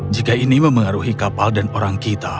jika ini memengaruhi kapal dan orang kita